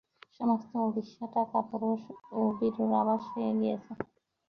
সমস্ত উড়িষ্যাটা কাপুরুষ ও ভীরুর আবাস হয়ে গিয়েছে।